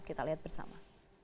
kita lihat bersama